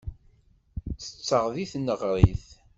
Ttetteɣ deg tneɣrit.